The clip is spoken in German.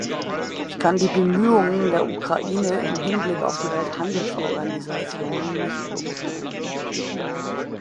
Ich kann die Bemühungen der Ukraine im Hinblick auf die Welthandelsorganisation nicht beurteilen.